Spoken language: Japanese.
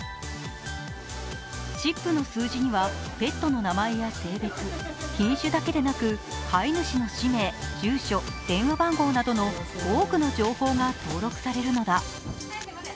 チップの数字にはペットの名前や性別、品種だけでなく飼い主の氏名、住所、電話番号などの多くの情報が登録されるのだ。